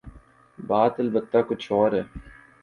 بات البتہ کچھ اور ہے۔